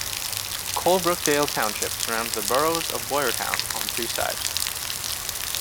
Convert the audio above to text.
Colebrookdale Township surrounds the borough of Boyertown on three sides.